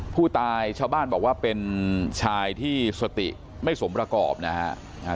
ผู้ตายชาวบ้านบอกว่าเป็นชายที่สติไม่สมประกอบนะฮะ